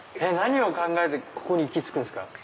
何を考えてここに行き着くんすか？